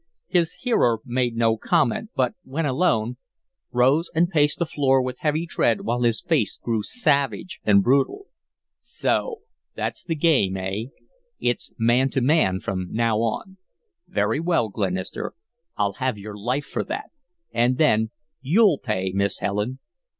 His hearer made no comment, but, when alone, rose and paced the floor with heavy tread while his face grew savage and brutal. "So that's the game, eh? It's man to man from now on. Very well, Glenister, I'll have your life for that, and then you'll pay, Miss Helen."